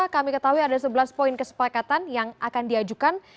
kami ketahui ada sebelas poin kesepakatan yang akan diajukan